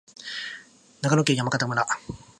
長野県山形村